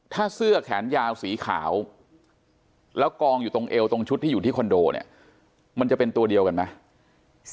ถ้าเสื้อแขนยาวสีขาวแล้วกองอยู่ตรงเอวตรงชุดที่อยู่ที่คอนโดเนี่ยมันจะเป็นตัวเดียวกันไหม